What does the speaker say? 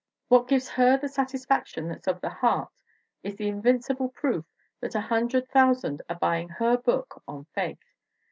what gives her the satisfaction that's of the heart is the invincible proof that a hundred thousand are buying her book on faith.